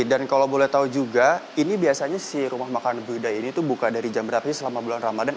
dan kalau boleh tahu juga ini biasanya si rumah makan bu ida ini itu buka dari jam berapa ini selama bulan ramadan